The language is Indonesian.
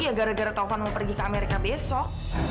ya gara gara taufan mau pergi ke amerika besok